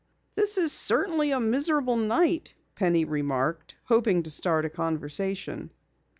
"This is certainly a miserable night," Penny remarked, hoping to start a conversation.